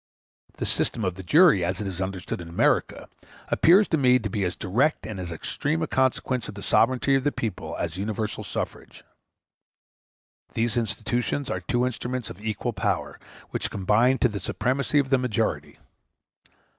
*g The system of the jury, as it is understood in America, appears to me to be as direct and as extreme a consequence of the sovereignty of the people as universal suffrage. These institutions are two instruments of equal power, which contribute to the supremacy of the majority.